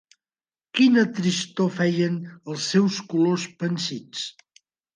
Quina tristor feien els seus colors pansits